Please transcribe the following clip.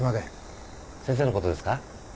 先生のことですか？